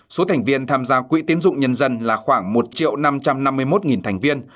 số thành viên tham gia quỹ tiến dụng nhân dân là khoảng một năm trăm năm mươi một thành viên